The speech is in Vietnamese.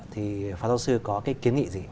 thì pháp giáo sư có cái kiến nghị gì